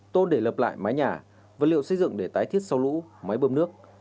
tôn để lập lại mái nhà vật liệu xây dựng để tái thiết sau lũ máy bơm nước